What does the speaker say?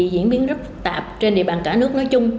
diễn biến rất phức tạp trên địa bàn cả nước nói chung